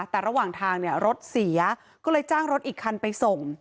แต่ระหว่างทางเนี่ยรถเสียก็เลยจ้างรถอีกคันไปส่ง